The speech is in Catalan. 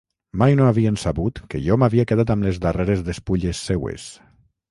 Mai no havien sabut que jo m'havia quedat amb les darreres despulles seues...